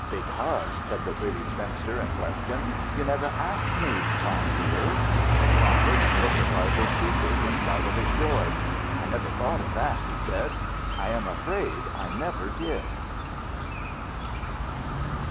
" "Because," said the pretty spinster in question, " you never asked me, Tom, dear." Tom Wiggin looked a trifle sheepish in spite of his joy. "I never thought of that," he said. "I am afraid I never did."